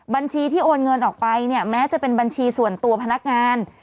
บัญชีที่โอนเงินออกไปเนี่ยแม้จะเป็นบัญชีส่วนตัวพนักงาน